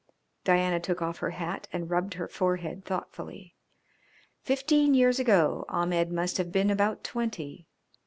Diana took off her hat and rubbed her forehead thoughtfully. Fifteen years ago Ahmed must have been about twenty.